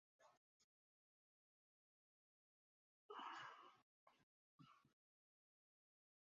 Propene একটি alkyne.